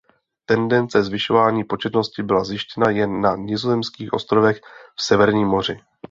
Tendence zvyšování početnosti byla zjištěna jen na nizozemských ostrovech v Severním moři.